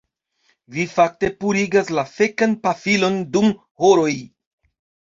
Vi fakte purigas la fekan pafilon dum horoj